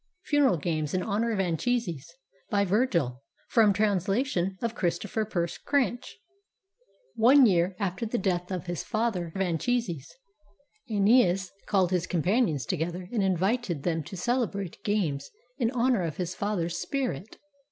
FUNERAL GAMES IN HONOR OF ANCHISES BY VIRGIL (From translation of Christopher Pearse Cranch) [One year after the death of his father Anchises, ^neas called his companions together and invited them to celebrate games in honor of his father's spirit.